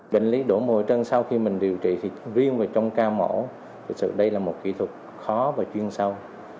bệnh lý đổ mồ hôi chân sau khi mình điều trị thì riêng vào trong ca mổ thực sự đây là một kỹ thuật khó và chuyên sâu